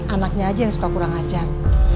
anaknya aja yang suka kurang ajar